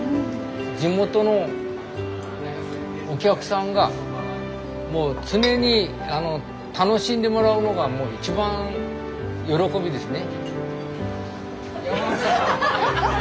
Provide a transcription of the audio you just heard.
地元のお客さんがもう常に楽しんでもらうのがもう一番喜びですね。